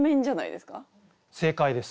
正解です。